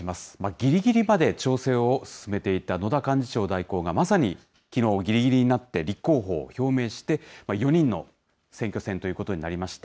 ぎりぎりまで調整を進めていた野田幹事長代行が、まさにきのう、ぎりぎりになって立候補を表明して、４人の選挙戦ということになりました。